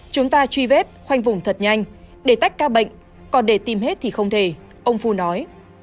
chúng ta truy vết khoanh vùng thật nhanh để tách ca bệnh còn để tìm hết thì không thể ông phu nói